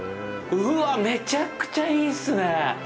うわぁ、めちゃくちゃいいっすね！